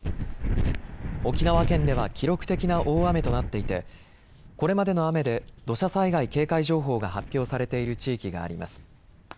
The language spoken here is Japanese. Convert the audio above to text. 沖縄県では記録的な大雨となっていて、これまでの雨で土砂災害警戒情報が発表されている地域があります。